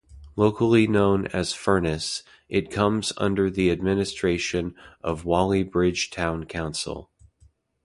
Locally known as Furness, it comes under the administration of Whaley Bridge town council.